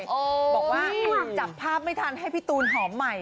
บอกว่าจับภาพไม่ทันให้พี่ตูนหอมใหม่